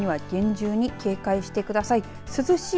熱中症には厳重に警戒してください。